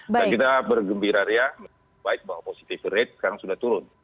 dan kita bergembira ya baik bahwa positive rate sekarang sudah turun